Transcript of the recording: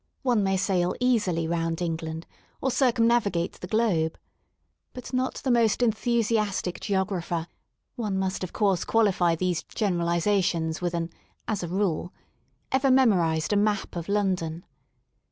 One may sail easily round E/igland, or circumnavigate the globe. But not the most enthusiastic geographer — one must of course qualify these generalisations with an ^^ as a rule "— ever memorised a map of London.